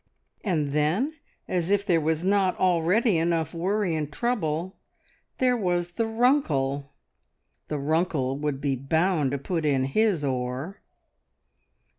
And then, as if there was not already enough worry and trouble, there was the Runkle. ... The Runkle would be bound to put in his oar!